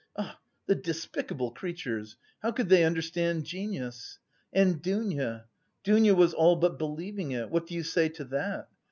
Ah, the despicable creatures, how could they understand genius! And Dounia, Dounia was all but believing it what do you say to that?